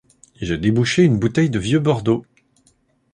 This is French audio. J'ai débouché une bouteille de vieux bordeaux.